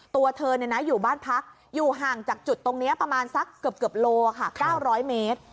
ตัวเธออยู่บ้านพักอยู่ห่างจากจุดตรงนี้ประมาณสักเกือบโล๙๐๐เมตร